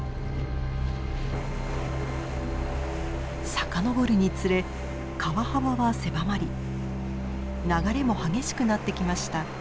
遡るにつれ川幅は狭まり流れも激しくなってきました。